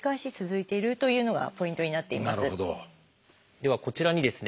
ではこちらにですね